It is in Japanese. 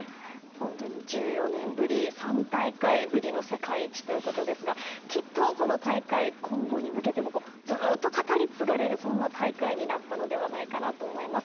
本当に１４年ぶり３大会ぶりの世界一ということですがきっとこの大会、今後に向けてもずっと語り継がれる大会になったのではと思います。